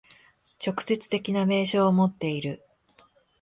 直接的な明証をもっている。